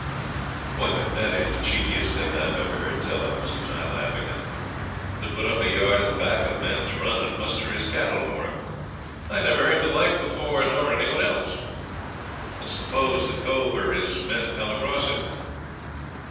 'Well, if that ain't the cheekiest thing I ever heard tell of,' says I laughingly. 'To put up a yard at the back of a man's run, and muster his cattle for him! I never heard the like before, nor any one else. But suppose the cove or his men come across it?'